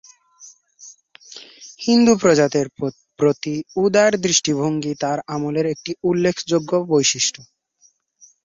হিন্দু প্রজাদের প্রতি উদার দৃষ্টিভঙ্গি তার আমলের একটি উল্লেখযোগ্য বৈশিষ্ট্য।